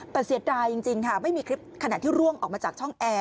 แต่เสียดายจริงค่ะไม่มีคลิปขณะที่ร่วงออกมาจากช่องแอร์